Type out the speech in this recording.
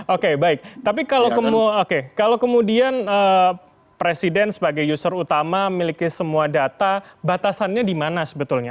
oke baik tapi kalau kemudian presiden sebagai user utama miliki semua data batasannya di mana sebetulnya